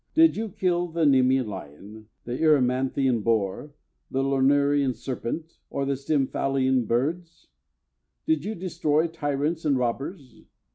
Did you kill the Nemean lion, the Erymanthian boar, the Lernean serpent, and Stymphalian birds? Did you destroy tyrants and robbers?